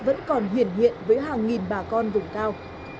vẫn còn hiển hiện với hàng nghìn bà con vùng cao